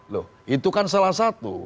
loh itu kan salah satu